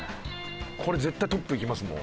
これ絶対トップいきますもん。